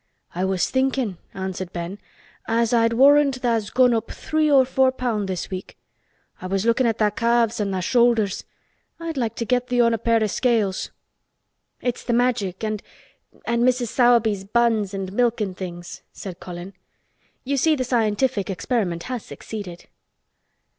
"I was thinkin'" answered Ben, "as I'd warrant tha's gone up three or four pound this week. I was lookin' at tha' calves an' tha' shoulders. I'd like to get thee on a pair o' scales." "It's the Magic and—and Mrs. Sowerby's buns and milk and things," said Colin. "You see the scientific experiment has succeeded."